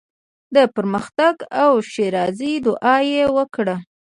د پرمختګ او ښېرازۍ دعوا یې وکړو.